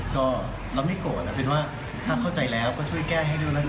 ก็เราไม่โกรธเป็นว่าถ้าเข้าใจแล้วก็ช่วยแก้ให้ด้วยแล้วกัน